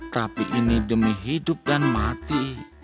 tapi ini demi hidup dan mati